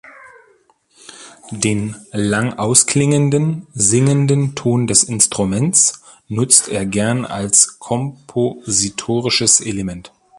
Den lang ausklingenden, singenden Ton des Instruments nutzt er gern als kompositorisches Element.